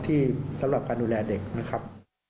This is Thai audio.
สำหรับการดูแลเด็กนะครับ